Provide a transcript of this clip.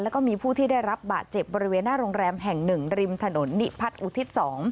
แล้วก็มีผู้ที่ได้รับบาดเจ็บบริเวณหน้าโรงแรมแห่ง๑ริมถนนนิพัฒน์อุทิศ๒